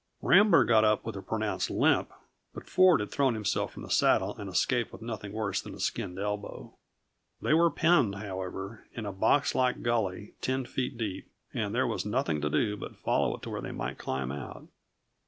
Rambler got up with a pronounced limp, but Ford had thrown himself from the saddle and escaped with nothing worse than a skinned elbow. They were penned, however, in a box like gully ten feet deep, and there was nothing to do but follow it to where they might climb out.